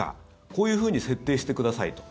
こういうふうに設定してくださいと。